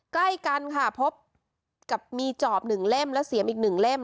ใกล้กันค่ะพบกับมีจอบหนึ่งเล่มแล้วเสียมอีกหนึ่งเล่ม